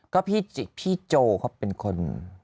ก็พี่โจเขาเป็นคน